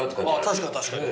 確かに確かに。